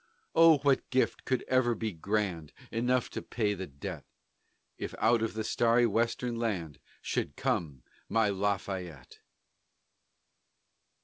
Oh, what gift could ever be grand Enough to pay the debt, If out of the starry Western land, Should come my Lafayette!